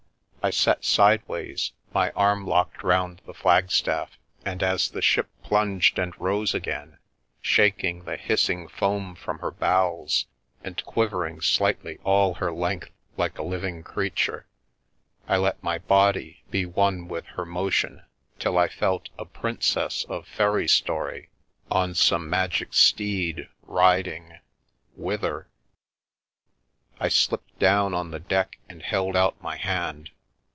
I sat sideways, my arm locked round the flag staff, and as the ship plunged and rose again, shaking the hissing foam from her bows and quivering slightly all her length like a living creature, I let my body be one with her motion till I felt a princess of fairy story on some magic steed, riding — whither? I slipped down on to the deck and held out my hand.